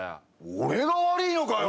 俺が悪いのかよ？